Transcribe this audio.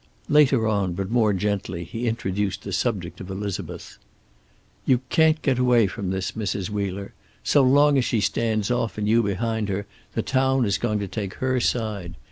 Later on, but more gently, he introduced the subject of Elizabeth. "You can't get away from this, Mrs. Wheeler. So long as she stands off, and you behind her, the town is going to take her side.